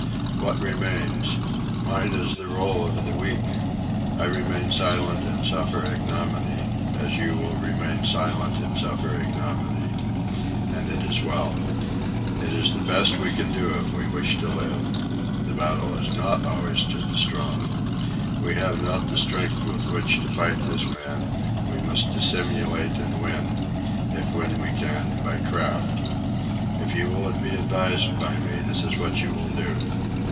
"What remains? Mine is the role of the weak. I remain silent and suffer ignominy, as you will remain silent and suffer ignominy. And it is well. It is the best we can do if we wish to live. The battle is not always to the strong. We have not the strength with which to fight this man; we must dissimulate, and win, if win we can, by craft. If you will be advised by me, this is what you will do.